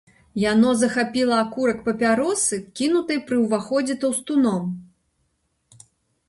Яно захапіла акурак папяросы, кінутай пры ўваходзе таўстуном.